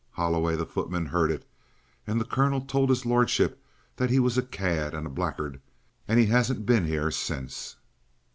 Holloway, the footman, heard it, and the Colonel told his lordship that he was a cad and a blackguard, and he hasn't been here since."